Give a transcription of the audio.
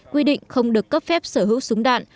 quy định không được cấp phép sở hữu súng đạn